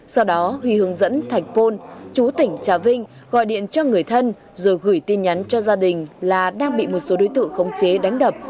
sau đó huy hướng dẫn thạch pôn chú tỉnh trà vinh gọi điện cho người thân rồi gửi tin nhắn cho gia đình là đang bị một số đối tượng khống chế đánh đập